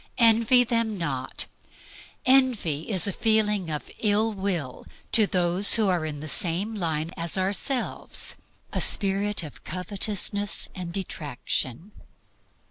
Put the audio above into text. Envy them not. Envy is a feeling of ill will to those who are in the same line as ourselves, a spirit of covetousness and detraction.